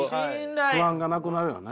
不安がなくなるよね。